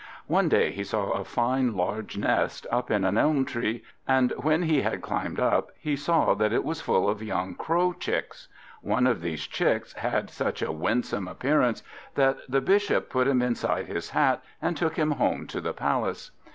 One day he saw a fine large nest up in an elm tree, and when he had climbed up he saw that it was full of young Crow chicks. One of these chicks had such a winsome appearance, that the Bishop put him inside his hat, and took him home to the Palace.